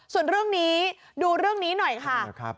ส่วนเรื่องนี้ดูเรื่องนี้หน่อยค่ะ